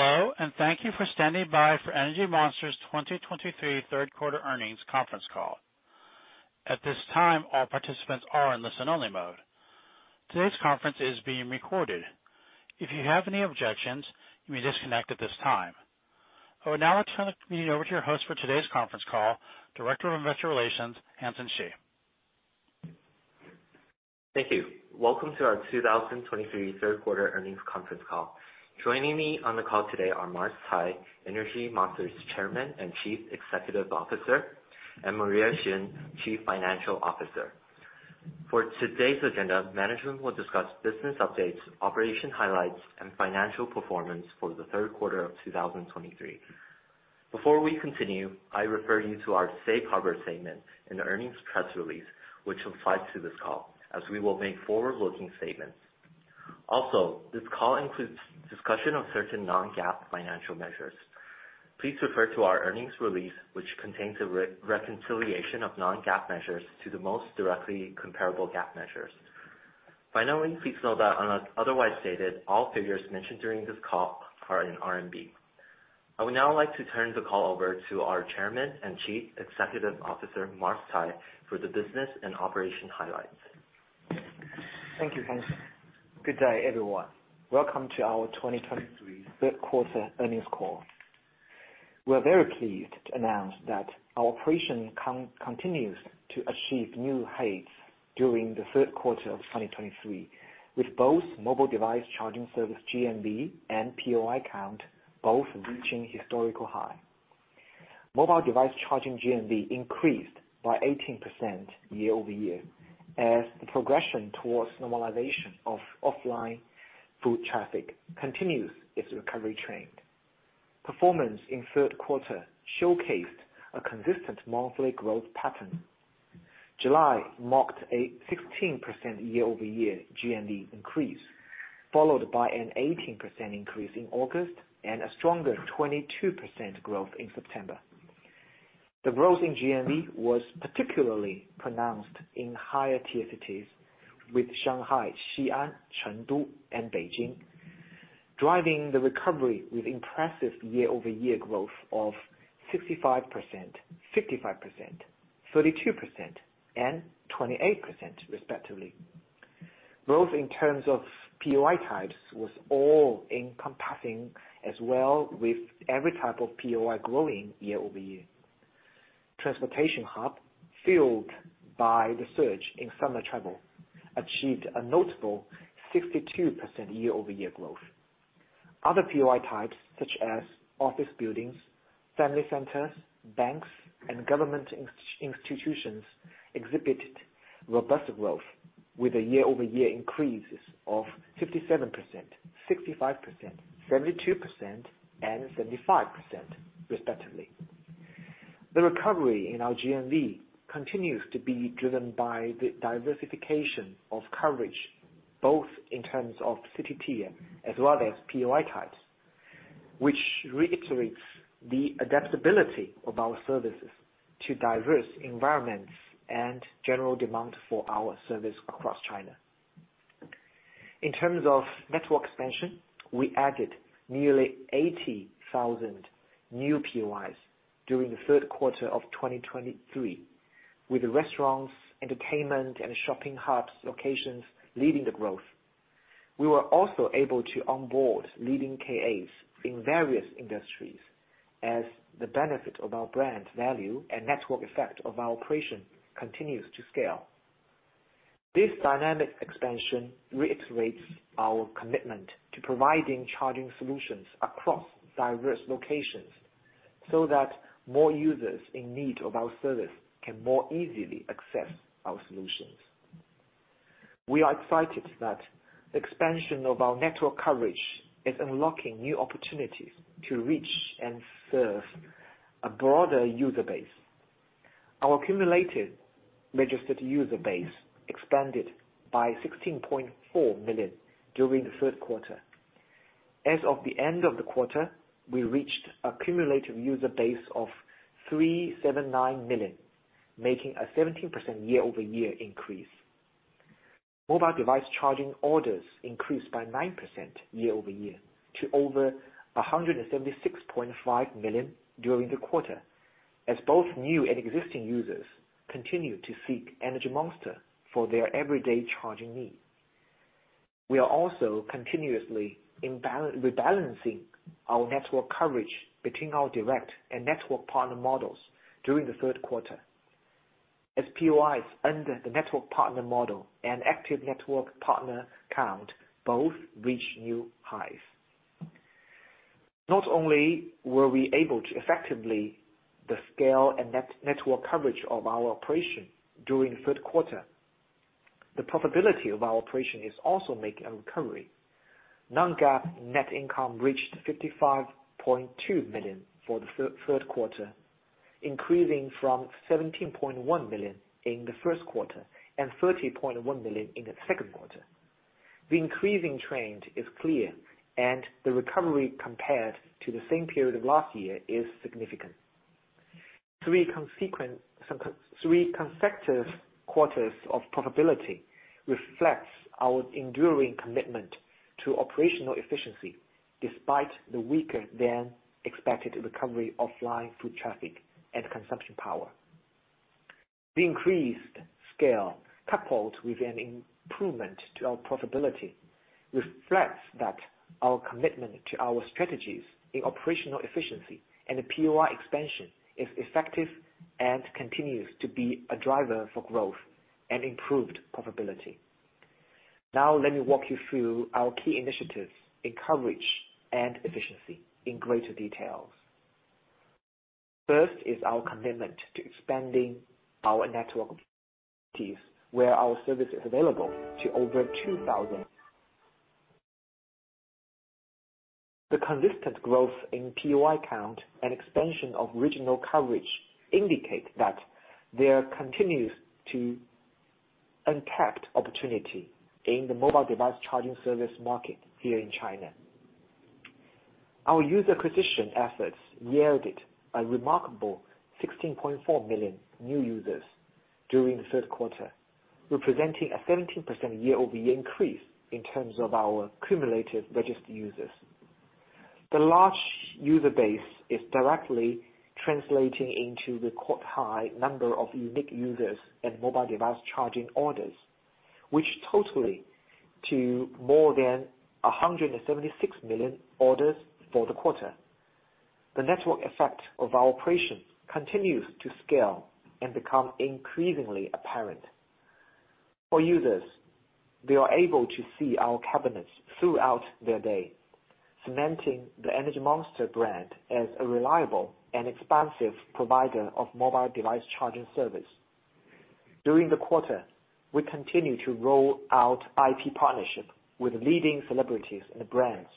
Hello, and thank you for standing by for Energy Monster's 2023 third quarter earnings conference call. At this time, all participants are in listen-only mode. Today's conference is being recorded. If you have any objections, you may disconnect at this time. I would now turn the meeting over to your host for today's conference call, Director of Investor Relations, Hansen Shi. Thank you. Welcome to our 2023 third quarter earnings conference call. Joining me on the call today are Mars Cai, Energy Monster's Chairman and Chief Executive Officer, and Maria Xin, Chief Financial Officer. For today's agenda, management will discuss business updates, operation highlights, and financial performance for the third quarter of 2023. Before we continue, I refer you to our safe harbor statement in the earnings press release, which applies to this call, as we will make forward-looking statements. Also, this call includes discussion of certain non-GAAP financial measures. Please refer to our earnings release, which contains a reconciliation of non-GAAP measures to the most directly comparable GAAP measures. Finally, please note that otherwise stated, all figures mentioned during this call are in RMB. I would now like to turn the call over to our Chairman and Chief Executive Officer, Mars Cai, for the business and operation highlights. Thank you, Hansen. Good day, everyone. Welcome to our 2023 third quarter earnings call. We are very pleased to announce that our operation continues to achieve new heights during the third quarter of 2023, with both mobile device charging service GMV and POI count both reaching historical high. Mobile device charging GMV increased by 18% year-over-year, as the progression towards normalization of offline foot traffic continues its recovery trend. Performance in third quarter showcased a consistent monthly growth pattern. July marked a 16% year-over-year GMV increase, followed by an 18% increase in August and a stronger 22% growth in September. The growth in GMV was particularly pronounced in higher-tier cities, with Shanghai, Xi'an, Chengdu, and Beijing driving the recovery with impressive year-over-year growth of 65%, 55%, 32%, and 28%, respectively. Growth in terms of POI types was all-encompassing as well, with every type of POI growing year-over-year. Transportation hub, fueled by the surge in summer travel, achieved a notable 62% year-over-year growth. Other POI types, such as office buildings, family centers, banks, and government institutions, exhibited robust growth with year-over-year increases of 57%, 65%, 72%, and 75%, respectively. The recovery in our GMV continues to be driven by the diversification of coverage, both in terms of city tier as well as POI types, which reiterates the adaptability of our services to diverse environments and general demand for our service across China. In terms of network expansion, we added nearly 80,000 new POIs during the third quarter of 2023, with restaurants, entertainment, and shopping hubs locations leading the growth. We were also able to onboard leading KAs in various industries as the benefit of our brand value and network effect of our operation continues to scale. This dynamic expansion reiterates our commitment to providing charging solutions across diverse locations, so that more users in need of our service can more easily access our solutions. We are excited that the expansion of our network coverage is unlocking new opportunities to reach and serve a broader user base. Our accumulated registered user base expanded by 16.4 million during the third quarter. As of the end of the quarter, we reached a cumulative user base of 379 million, making a 17% year-over-year increase. Mobile device charging orders increased by 9% year-over-year to over 176.5 million during the quarter, as both new and existing users continue to seek Energy Monster for their everyday charging need. We are also continuously rebalancing our network coverage between our direct and network partner models during the third quarter, as POIs under the network partner model and active network partner count both reached new highs. Not only were we able to effectively scale and network coverage of our operation during the third quarter, the profitability of our operation is also making a recovery. Non-GAAP net income reached 55.2 million for the third quarter, increasing from 17.1 million in the first quarter and 30.1 million in the second quarter. The increasing trend is clear, and the recovery compared to the same period of last year is significant... three consecutive, some three consecutive quarters of profitability reflects our enduring commitment to operational efficiency, despite the weaker than expected recovery of offline foot traffic and consumption power. The increased scale, coupled with an improvement to our profitability, reflects that our commitment to our strategies in operational efficiency and the POI expansion is effective and continues to be a driver for growth and improved profitability. Now, let me walk you through our key initiatives in coverage and efficiency in greater details. First is our commitment to expanding our network cities, where our service is available to over 2,000. The consistent growth in POI count and expansion of regional coverage indicate that there continues to untapped opportunity in the mobile device charging service market here in China. Our user acquisition efforts yielded a remarkable 16.4 million new users during the third quarter, representing a 17% year-over-year increase in terms of our cumulative registered users. The large user base is directly translating into the quite high number of unique users and mobile device charging orders, which totaled to more than 176 million orders for the quarter. The network effect of our operations continues to scale and become increasingly apparent. For users, they are able to see our cabinets throughout their day, cementing the Energy Monster brand as a reliable and expansive provider of mobile device charging service. During the quarter, we continued to roll out IP partnerships with leading celebrities and brands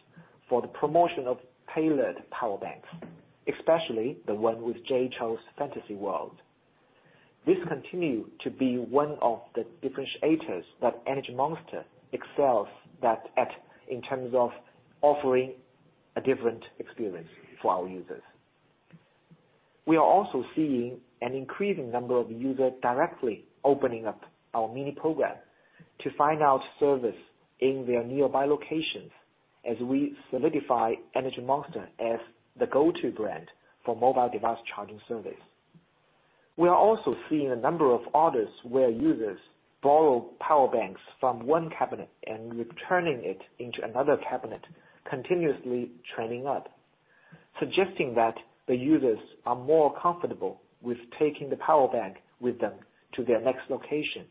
for the promotion of tailored power banks, especially the one with Jay Chou's Fantasy World. This continued to be one of the differentiators that Energy Monster excels at that, in terms of offering a different experience for our users. We are also seeing an increasing number of users directly opening up our mini program to find our service in their nearby locations, as we solidify Energy Monster as the go-to brand for mobile device charging service. We are also seeing a number of orders where users borrow power banks from one cabinet and returning it into another cabinet, continuously trending up, suggesting that the users are more comfortable with taking the power bank with them to their next location,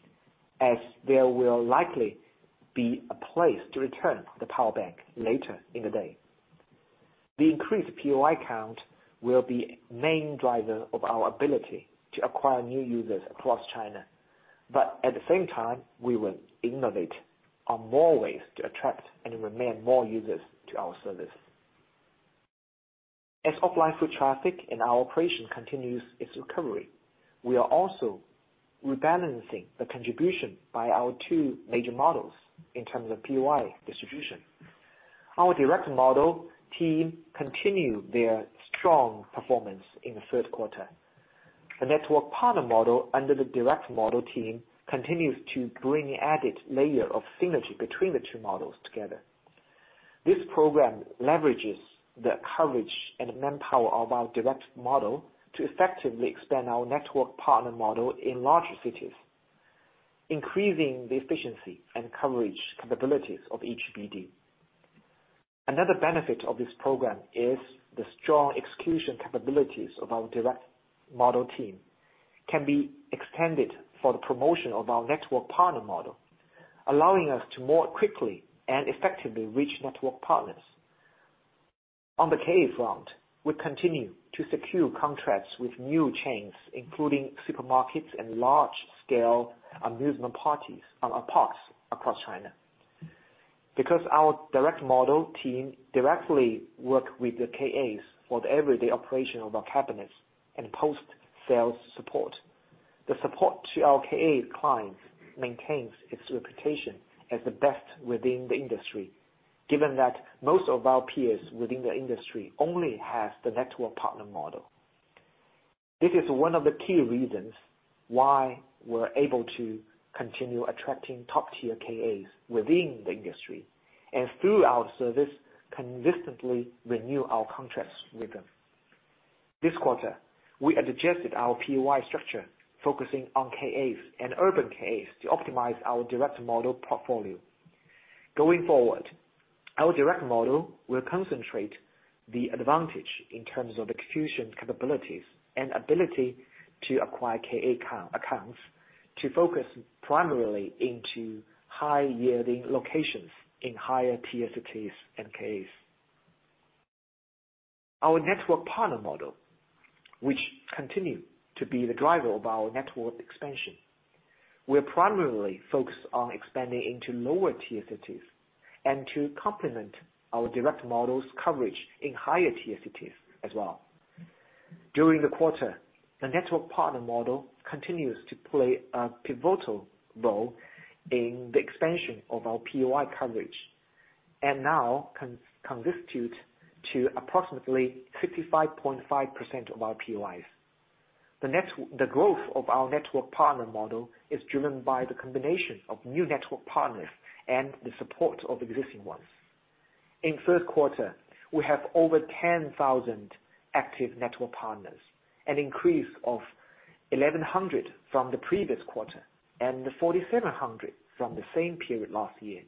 as there will likely be a place to return the power bank later in the day. The increased POI count will be the main driver of our ability to acquire new users across China, but at the same time, we will innovate on more ways to attract and retain more users to our service. As offline foot traffic and our operation continues its recovery, we are also rebalancing the contribution by our two major models in terms of POI distribution. Our direct model team continued their strong performance in the third quarter. The network partner model, under the direct model team, continues to bring added layer of synergy between the two models together. This program leverages the coverage and manpower of our direct model to effectively expand our network partner model in larger cities, increasing the efficiency and coverage capabilities of each BD. Another benefit of this program is the strong execution capabilities of our direct model team can be extended for the promotion of our network partner model, allowing us to more quickly and effectively reach network partners. On the KA front, we continue to secure contracts with new chains, including supermarkets and large-scale amusement parks across China. Because our direct model team directly work with the KAs for the everyday operation of our cabinets and post-sales support, the support to our KA clients maintains its reputation as the best within the industry, given that most of our peers within the industry only has the network partner model. This is one of the key reasons why we're able to continue attracting top-tier KAs within the industry, and through our service, consistently renew our contracts with them. This quarter, we adjusted our POI structure, focusing on KAs and urban KAs to optimize our direct model portfolio. Going forward, our direct model will concentrate the advantage in terms of execution capabilities and ability to acquire KA accounts, to focus primarily into high-yielding locations in higher-tier cities and KAs. Our network partner model, which continue to be the driver of our network expansion, we're primarily focused on expanding into lower-tier cities and to complement our direct models coverage in higher-tier cities as well. During the quarter, the network partner model continues to play a pivotal role in the expansion of our POI coverage and now constitute approximately 55.5% of our POIs. Next, the growth of our network partner model is driven by the combination of new network partners and the support of existing ones. In first quarter, we have over 10,000 active network partners, an increase of 1,100 from the previous quarter and 4,700 from the same period last year.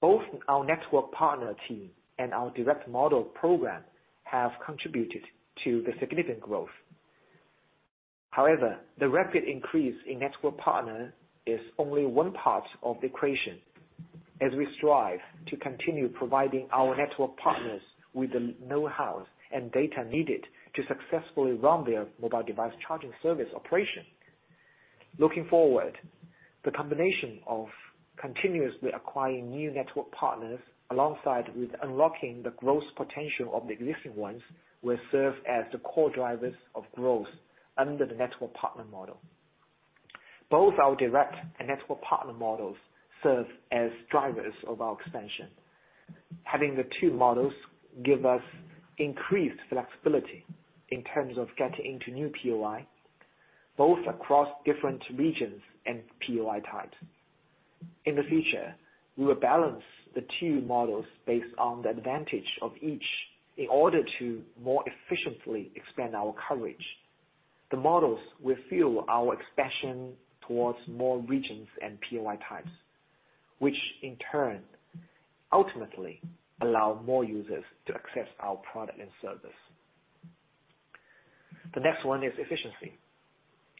Both our network partner team and our direct model program have contributed to the significant growth. However, the rapid increase in network partner is only one part of the equation, as we strive to continue providing our network partners with the know-how and data needed to successfully run their mobile device charging service operation. Looking forward, the combination of continuously acquiring new network partners alongside with unlocking the growth potential of the existing ones, will serve as the core drivers of growth under the network partner model. Both our direct and network partner models serve as drivers of our expansion. Having the two models give us increased flexibility in terms of getting into new POI, both across different regions and POI types. In the future, we will balance the two models based on the advantage of each in order to more efficiently expand our coverage. The models will fuel our expansion towards more regions and POI types, which in turn, ultimately allow more users to access our product and service. The next one is efficiency.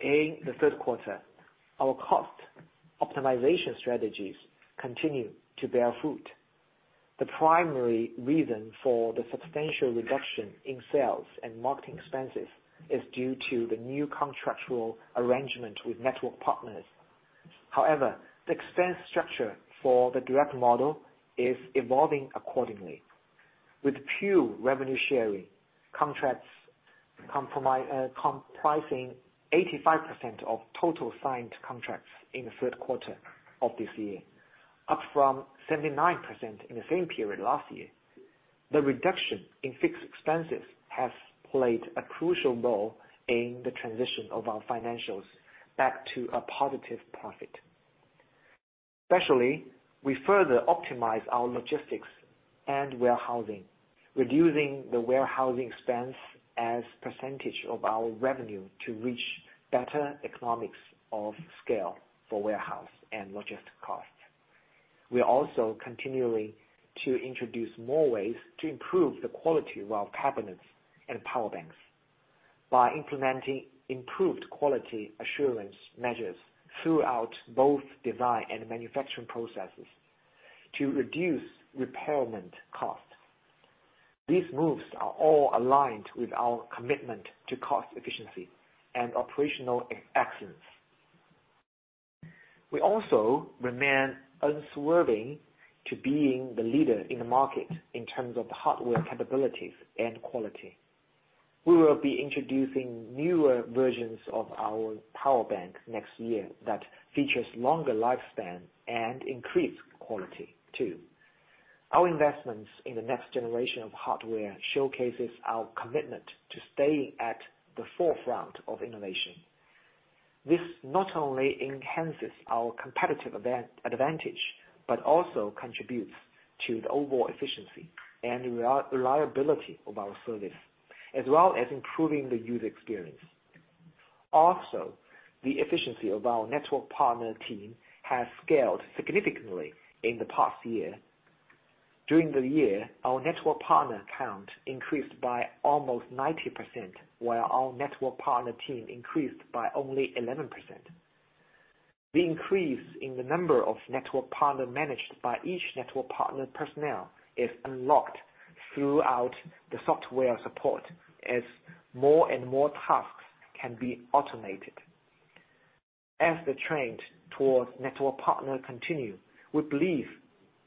In the third quarter, our cost optimization strategies continued to bear fruit. The primary reason for the substantial reduction in sales and marketing expenses is due to the new contractual arrangement with network partners. However, the expense structure for the direct model is evolving accordingly, with pure revenue sharing contracts comprising 85% of total signed contracts in the third quarter of this year, up from 79% in the same period last year. The reduction in fixed expenses has played a crucial role in the transition of our financials back to a positive profit. Especially, we further optimize our logistics and warehousing, reducing the warehousing expense as a percentage of our revenue to reach better economies of scale for warehouse and logistic costs. We are also continuing to introduce more ways to improve the quality of our cabinets and power banks by implementing improved quality assurance measures throughout both design and manufacturing processes to reduce repair costs. These moves are all aligned with our commitment to cost efficiency and operational excellence. We also remain unswerving to being the leader in the market in terms of hardware capabilities and quality. We will be introducing newer versions of our power bank next year that features longer lifespan and increased quality, too. Our investments in the next generation of hardware showcases our commitment to staying at the forefront of innovation. This not only enhances our competitive advantage, but also contributes to the overall efficiency and reliability of our service, as well as improving the user experience. Also, the efficiency of our network partner team has scaled significantly in the past year. During the year, our network partner count increased by almost 90%, while our network partner team increased by only 11%. The increase in the number of network partner managed by each network partner personnel is unlocked throughout the software support, as more and more tasks can be automated. As the trend towards network partner continue, we believe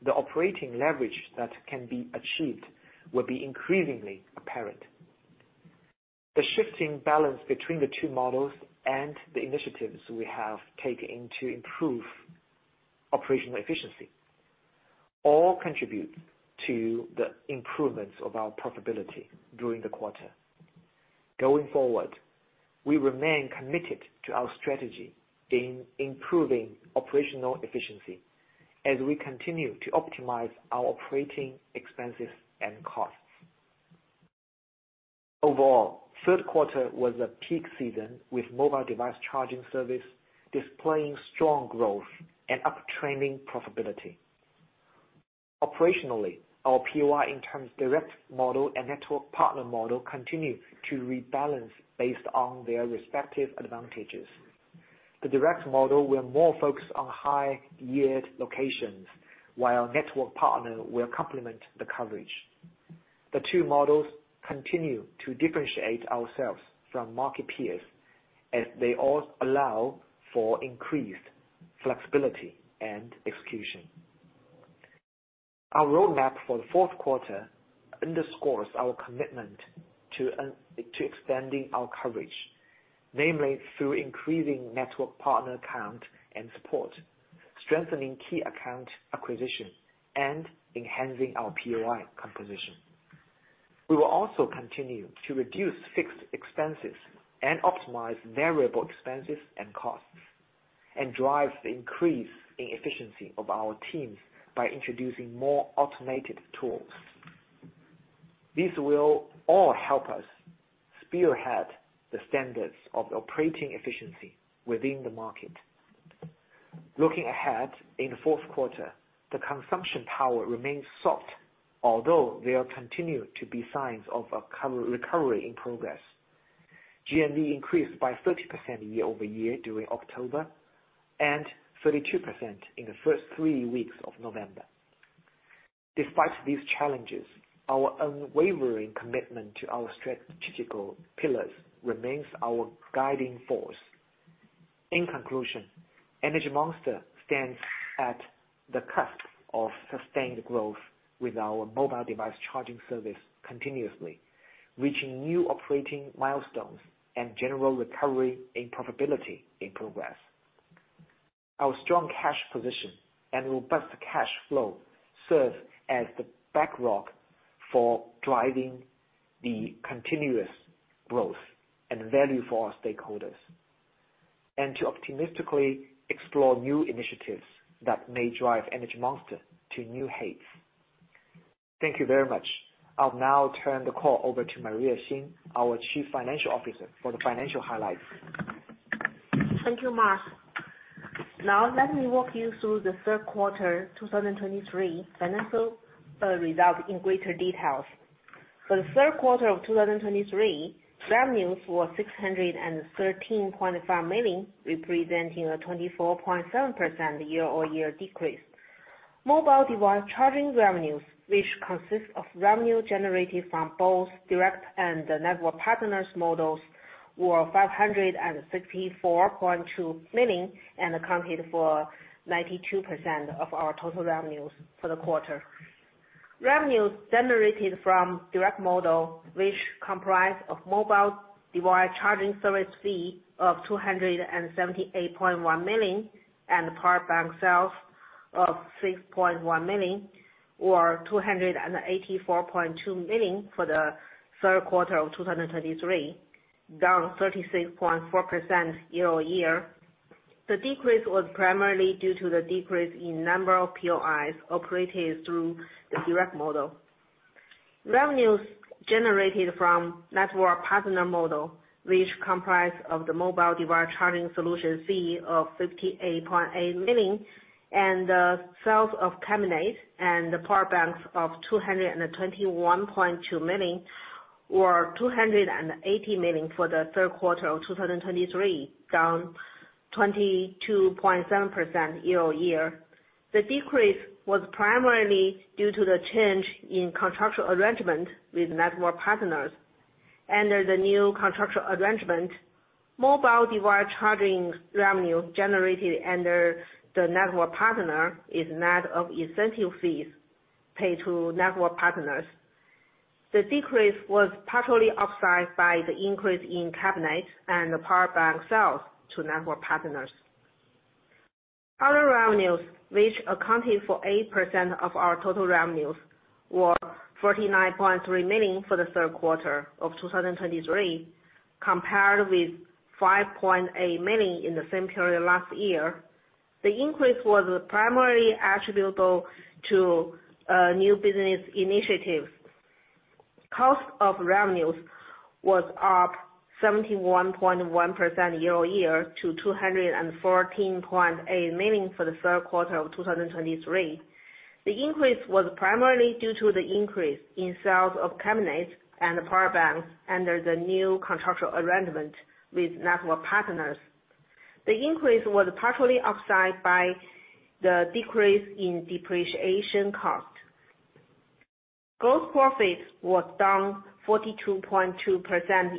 the operating leverage that can be achieved will be increasingly apparent. The shifting balance between the two models and the initiatives we have taken to improve operational efficiency, all contribute to the improvements of our profitability during the quarter. Going forward, we remain committed to our strategy in improving operational efficiency as we continue to optimize our operating expenses and costs. Overall, third quarter was a peak season, with mobile device charging service displaying strong growth and uptrending profitability. Operationally, our POI in terms of direct model and network partner model continue to rebalance based on their respective advantages. The direct model will more focus on high-yield locations, while network partner will complement the coverage. The two models continue to differentiate ourselves from market peers as they allow for increased flexibility and execution. Our roadmap for the fourth quarter underscores our commitment to expanding our coverage, namely through increasing network partner count and support, strengthening key account acquisition, and enhancing our POI composition. We will also continue to reduce fixed expenses and optimize variable expenses and costs, and drive the increase in efficiency of our teams by introducing more automated tools. These will all help us spearhead the standards of operating efficiency within the market. Looking ahead, in the fourth quarter, the consumption power remains soft, although there continue to be signs of a recovery in progress. GMV increased by 30% year-over-year during October, and 32% in the first three weeks of November. Despite these challenges, our unwavering commitment to our strategic pillars remains our guiding force. In conclusion, Energy Monster stands at the cusp of sustained growth with our mobile device charging service continuously reaching new operating milestones and general recovery in profitability in progress. Our strong cash position and robust cash flow serve as the backlog for driving the continuous growth and value for our stakeholders, and to optimistically explore new initiatives that may drive Energy Monster to new heights. Thank you very much. I'll now turn the call over to Maria Xin, our Chief Financial Officer, for the financial highlights. Thank you, Mars. Now, let me walk you through the third quarter, 2023 financial results in greater detail. For the third quarter of 2023, revenues were 613.5 million, representing a 24.7% year-over-year decrease. Mobile device charging revenues, which consist of revenue generated from both direct and the network partners models, were 564.2 million, and accounted for 92% of our total revenues for the quarter. Revenues generated from direct model, which comprise of mobile device charging service fee of 278.1 million, and power bank sales of 6.1 million, or 284.2 million for the third quarter of 2023, down 36.4% year-over-year. The decrease was primarily due to the decrease in number of POIs operated through the direct model. Revenues generated from network partner model, which comprise of the mobile device charging solution fee of 58.8 million, and sales of cabinets and the power banks of 221.2 million, or 280 million for the third quarter of 2023, down 22.7% year-over-year. The decrease was primarily due to the change in contractual arrangement with network partners. Under the new contractual arrangement, mobile device charging revenue generated under the network partner is net of incentive fees paid to network partners. The decrease was partially offset by the increase in cabinets and the power bank sales to network partners. Other revenues, which accounted for 8% of our total revenues, were 49.3 million for the third quarter of 2023, compared with 5.8 million in the same period last year. The increase was primarily attributable to new business initiatives. Cost of revenues was up 71.1% year-over-year to 214.8 million for the third quarter of 2023. The increase was primarily due to the increase in sales of cabinets and power banks under the new contractual arrangement with network partners. The increase was partially offset by the decrease in depreciation cost. Gross profit was down 42.2%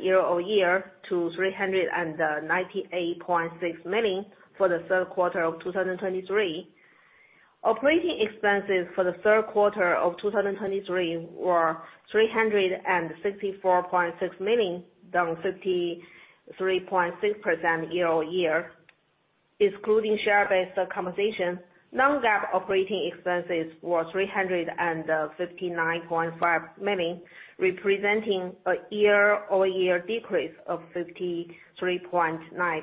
year-over-year to 398.6 million for the third quarter of 2023. Operating expenses for the third quarter of 2023 were 364.6 million, down 53.6% year-over-year. Excluding share-based compensation, non-GAAP operating expenses were 359.5 million, representing a year-over-year decrease of 53.9%.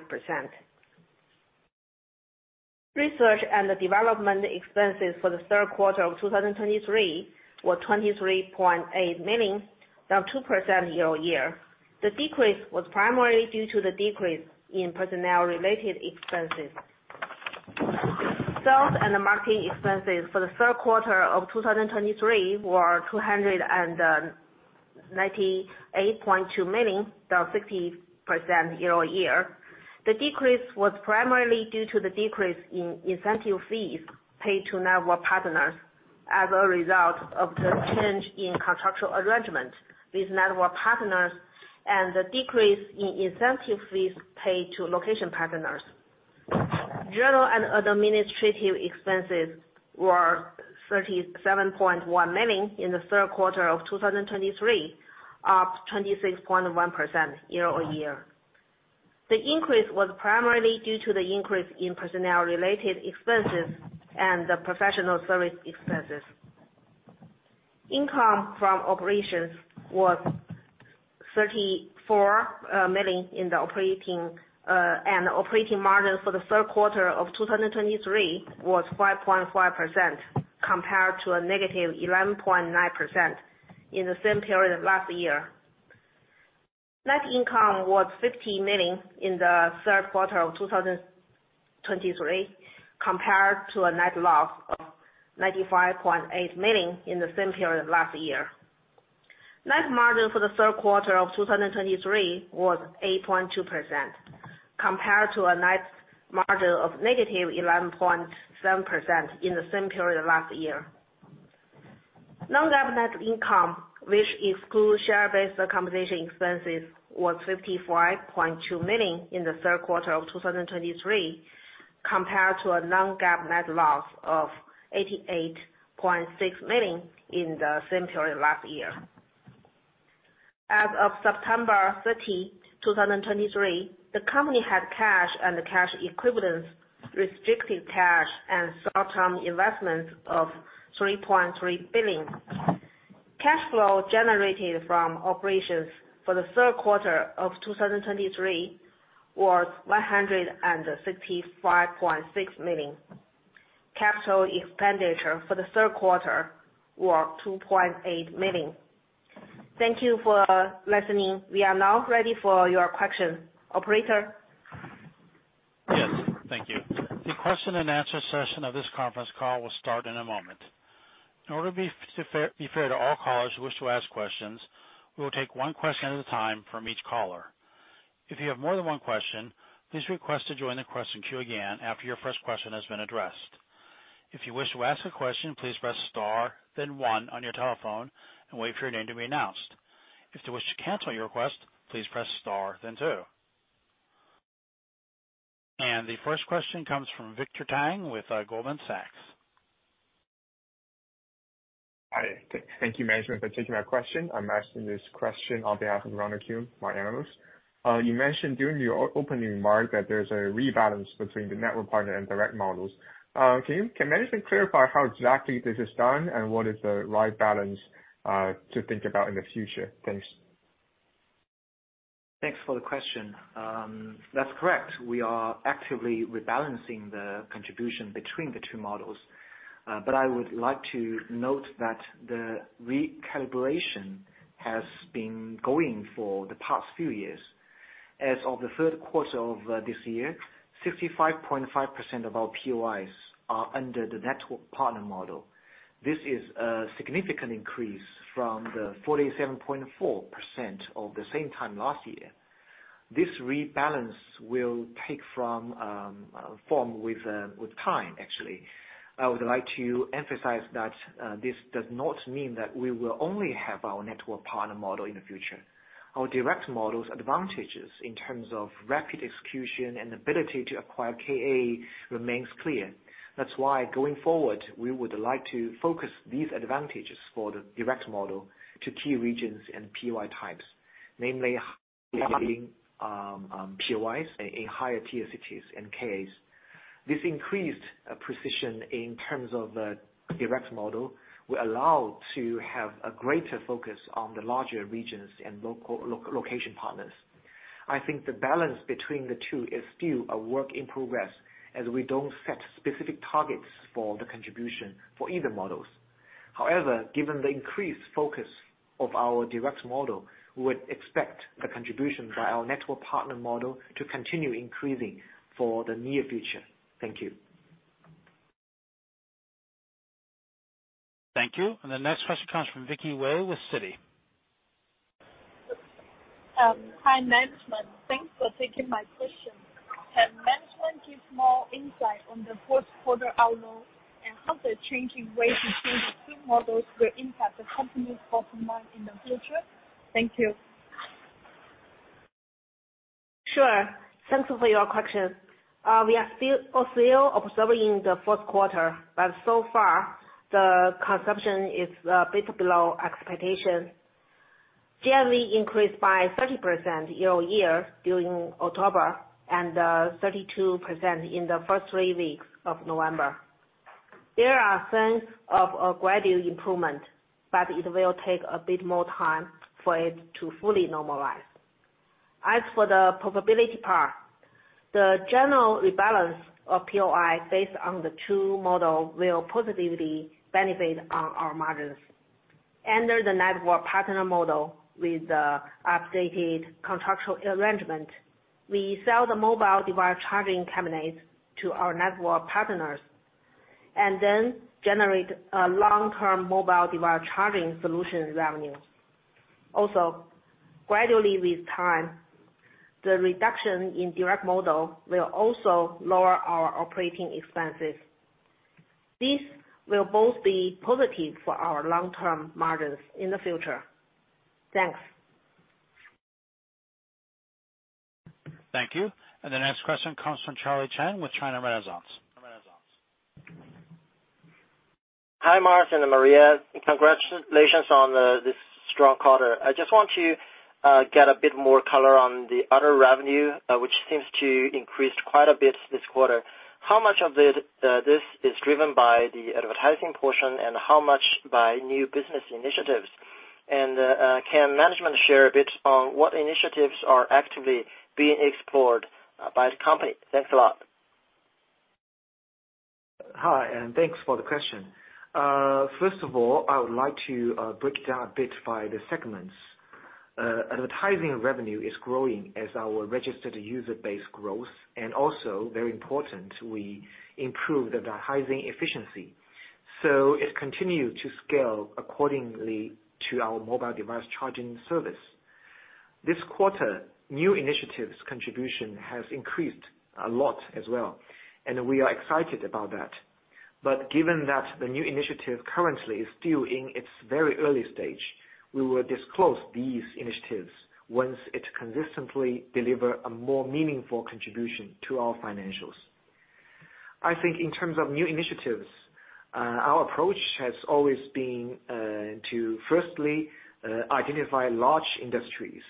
Research and development expenses for the third quarter of 2023 were 23.8 million, down 2% year-over-year. The decrease was primarily due to the decrease in personnel-related expenses. Sales and marketing expenses for the third quarter of 2023 were 298.2 million, down 60% year-over-year. The decrease was primarily due to the decrease in incentive fees paid to network partners as a result of the change in contractual arrangement with network partners, and the decrease in incentive fees paid to location partners. General and administrative expenses were 37.1 million in the third quarter of 2023, up 26.1% year-over-year. The increase was primarily due to the increase in personnel-related expenses and the professional service expenses. Income from operations was 34 million, and operating margin for the third quarter of 2023 was 5.5%, compared to -11.9% in the same period of last year. Net income was 50 million in the third quarter of 2023, compared to a net loss of 95.8 million in the same period last year. Net margin for the third quarter of 2023 was 8.2%, compared to a net margin of -11.7% in the same period last year. Non-GAAP net income, which excludes share-based compensation expenses, was 55.2 million in the third quarter of 2023, compared to a non-GAAP net loss of 88.6 million in the same period last year. As of September 30, 2023, the company had cash and cash equivalents, restricted cash and short-term investments of 3.3 billion. Cash flow generated from operations for the third quarter of 2023 was 165.6 million. Capital expenditure for the third quarter was 2.8 million. Thank you for listening. We are now ready for your questions. Operator? Yes, thank you. The question and answer session of this conference call will start in a moment. In order to be fair to all callers who wish to ask questions, we will take one question at a time from each caller. If you have more than one question, please request to join the question queue again after your first question has been addressed. If you wish to ask a question, please press star, then one on your telephone and wait for your name to be announced. If you wish to cancel your request, please press star, then two. The first question comes from Victor Tang with Goldman Sachs. Hi, thank you, management, for taking my question. I'm asking this question on behalf of Ronald Keung, my analyst. You mentioned during your opening remarks that there's a rebalance between the network partner and direct models. Can management clarify how exactly this is done, and what is the right balance to think about in the future? Thanks. Thanks for the question. That's correct. We are actively rebalancing the contribution between the two models. But I would like to note that the recalibration has been going for the past few years. As of the third quarter of this year, 65.5% of our POIs are under the network partner model. This is a significant increase from the 47.4% of the same time last year. This rebalance will take form with time, actually. I would like to emphasize that this does not mean that we will only have our network partner model in the future. Our direct model's advantages in terms of rapid execution and ability to acquire KA remains clear. That's why, going forward, we would like to focus these advantages for the direct model to key regions and POI types, namely, POIs in higher tier cities and KAs. This increased precision in terms of the direct model, will allow to have a greater focus on the larger regions and local location partners. I think the balance between the two is still a work in progress, as we don't set specific targets for the contribution for either models. However, given the increased focus of our direct model, we would expect the contribution by our network partner model to continue increasing for the near future. Thank you. Thank you. The next question comes from Vicky Wei with Citi. Hi, management. Thanks for taking my question. Can management give more insight on the fourth quarter outlook, and how the changing way between the two models will impact the company's bottom line in the future? Thank you. Sure. Thank you for your question. We are still also observing the fourth quarter, but so far, the consumption is a bit below expectations. Generally increased by 30% year-over-year during October, and 32% in the first three weeks of November. There are signs of a gradual improvement, but it will take a bit more time for it to fully normalize. As for the profitability part, the general rebalance of POI based on the two models will positively benefit on our margins. Under the network partner model, with the updated contractual arrangement, we sell the mobile device charging cabinets to our network partners, and then generate a long-term mobile device charging solutions revenue. Also, gradually with time, the reduction in direct model will also lower our operating expenses. This will both be positive for our long-term margins in the future. Thanks. Thank you. The next question comes from Charlie Chen with China Renaissance. Hi, Mars and Maria. Congratulations on this strong quarter. I just want to get a bit more color on the other revenue, which seems to increase quite a bit this quarter. How much of this, this is driven by the advertising portion, and how much by new business initiatives? And, can management share a bit on what initiatives are actively being explored, by the company? Thanks a lot. Hi, and thanks for the question. First of all, I would like to break it down a bit by the segments. Advertising revenue is growing as our registered user base grows, and also very important, we improved the advertising efficiency. So it continued to scale accordingly to our mobile device charging service. This quarter, new initiatives contribution has increased a lot as well, and we are excited about that. But given that the new initiative currently is still in its very early stage, we will disclose these initiatives once it consistently deliver a more meaningful contribution to our financials. I think in terms of new initiatives, our approach has always been to firstly identify large industries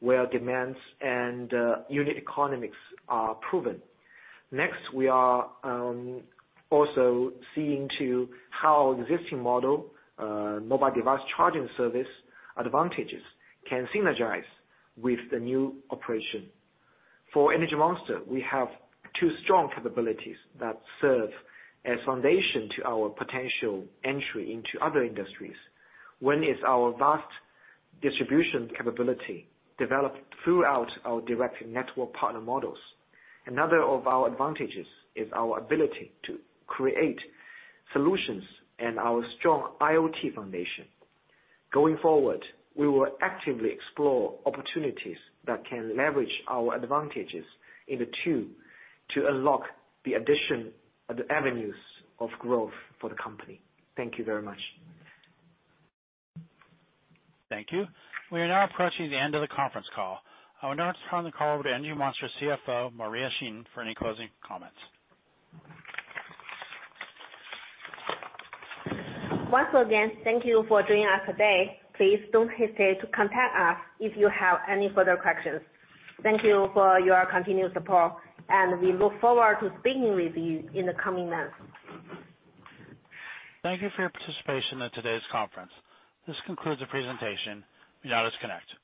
where demands and unit economics are proven. Next, we are also seeing to how existing model mobile device charging service advantages can synergize with the new operation. For Energy Monster, we have two strong capabilities that serve as foundation to our potential entry into other industries. One is our vast distribution capability developed throughout our direct network partner models. Another of our advantages is our ability to create solutions and our strong IoT foundation. Going forward, we will actively explore opportunities that can leverage our advantages in the two to unlock the addition of the avenues of growth for the company. Thank you very much. Thank you. We are now approaching the end of the conference call. I will now turn the call over to Energy Monster CFO, Maria Yi Xin, for any closing comments. Once again, thank you for joining us today. Please don't hesitate to contact us if you have any further questions. Thank you for your continued support, and we look forward to speaking with you in the coming months. Thank you for your participation in today's conference. This concludes the presentation. You may now disconnect.